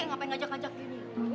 ngapain ngajak ngajak gini